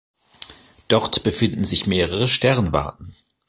Dort befinden sich mehrere Sternwarten.